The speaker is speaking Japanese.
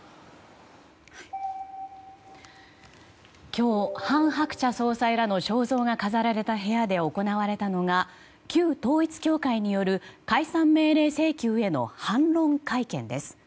今日、韓鶴子総裁らの肖像が飾られた部屋で行われたのが旧統一教会による解散命令請求への反論会見です。